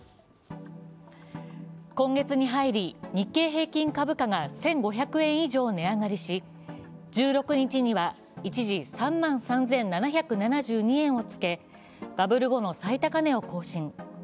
今月に入り、日経平均株価が１５００円以上、値上がりし１６日には、一時３万３７７２円をつけ、バブル後の最高値を更新。